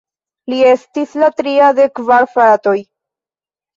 Li estis la tria de kvar fratoj.